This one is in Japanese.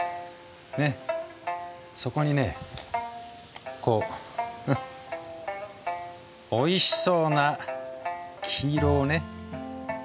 そこにねこうおいしそうな黄色をね足すと。